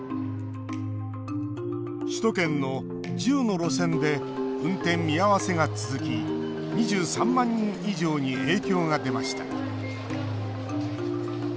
首都圏の１０の路線で運転見合わせが続き２３万人以上に影響が出ました。